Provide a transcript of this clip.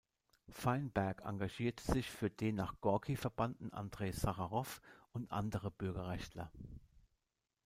Feinberg engagierte sich für den nach Gorki verbannten Andrei Sacharow und andere Bürgerrechtler.